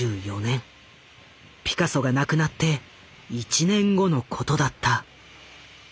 ピカソが亡くなって１年後のことだった。